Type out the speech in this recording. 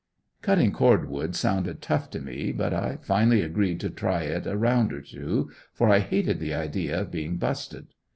"Cutting cord wood" sounded tough to me, but I finally agreed to try it a round or two, for I hated the idea of being "busted."